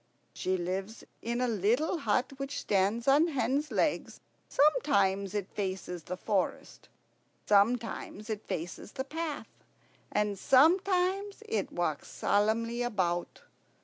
"She lives in a little hut which stands on hen's legs. Sometimes it faces the forest, sometimes it faces the path, and sometimes it walks solemnly about.